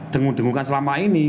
dengung dengungkan selama ini